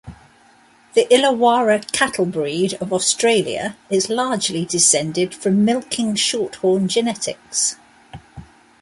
The Illawarra cattle breed of Australia is largely descended from Milking Shorthorn genetics.